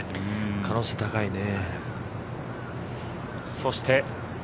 可能性高いね。